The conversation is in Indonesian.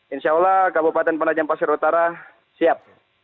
insya allah kabupaten penajam pasir utara siap